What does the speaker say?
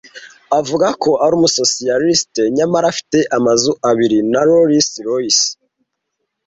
Avuga ko ari umusosiyaliste, nyamara afite amazu abiri na Rolls Royce.